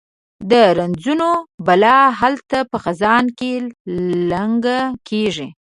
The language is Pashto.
د رنځونو بلا هلته په خزان کې لنګه کیږي